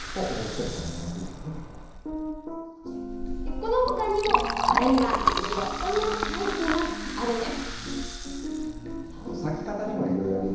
このほかにもバラにはいろいろなタイプがあるんです。